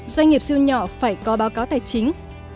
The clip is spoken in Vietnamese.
doanh nghiệp siêu nhỏ phải có báo cáo tài chính